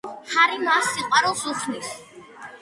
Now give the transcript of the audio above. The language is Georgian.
ჰარი მას სიყვარულს უხსნის.